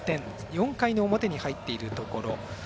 ４回の表に入っているところ。